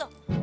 lo suka kacau